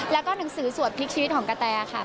แล้วก็หนังสือสวดพลิกชีวิตของกะแตค่ะ